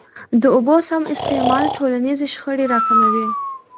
د اوبو سم استعمال ټولنیزي شخړي را کموي.